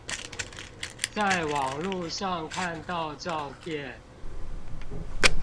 在網路上看到照片